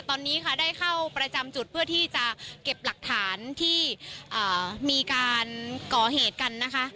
ตอนนี้ค่ะได้เข้าประจำจุดเพื่อที่จะเก็บหลักฐานที่มีการก่อเหตุกันนะคะ